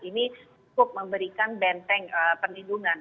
ini cukup memberikan benteng perlindungan